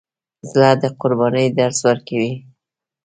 زړه د قربانۍ درس ورکوي.